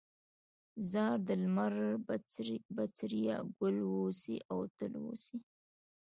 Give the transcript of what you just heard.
ځار د لمر بڅريه، ګل اوسې او تل اوسې